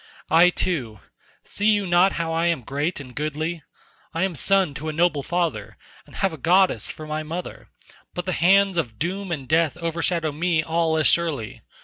I too—see you not how I am great and goodly? I am son to a noble father, and have a goddess for my mother, but the hands of doom and death overshadow me all as surely.